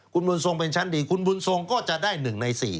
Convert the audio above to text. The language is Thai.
คุณบุญทรงเป็นชั้นดีคุณบุญทรงก็จะได้๑ใน๔